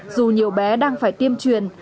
dù nhiều bé đang phải tiêm truyền